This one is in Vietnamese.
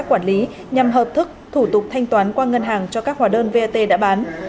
quản lý nhằm hợp thức thủ tục thanh toán qua ngân hàng cho các hòa đơn vat đã bán